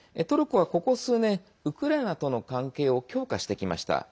トルコは、ここ数年ウクライナとの関係を強化してきました。